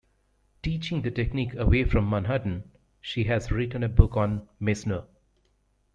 Teaching the technique away from Manhattan, she has written a book on Meisner.